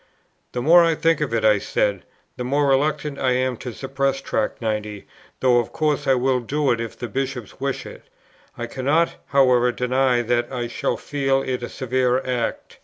"The more I think of it," I said, "the more reluctant I am to suppress Tract 90, though of course I will do it if the Bishop wishes it; I cannot, however, deny that I shall feel it a severe act."